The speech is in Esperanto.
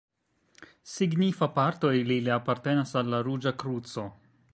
Signifa parto el ili apartenas al la Ruĝa Kruco.